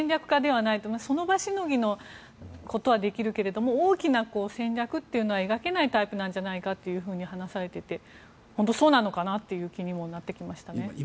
家ではないとその場しのぎのことはできるけれども大きな戦略というのは描けないタイプなんじゃないかと話されていて本当にそうなのかなという気にもなってきましたね。